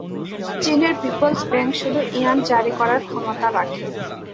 চীনের People's bank শুধু yuan জারি করার ক্ষমতা রাখে।